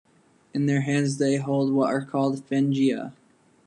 In their hands they hold what are called "phengia".